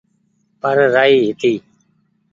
پر رآئي هيتي